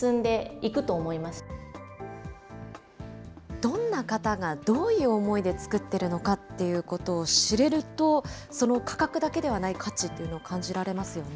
どんな方がどういう思いで作ってるのかっていうことを知れると、その価格だけではない価値っていうのを感じられますよね。